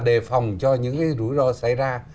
đề phòng cho những rủi ro xảy ra